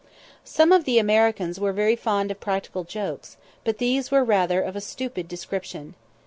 Some of the Americans were very fond of practical jokes, but these were rather of a stupid description.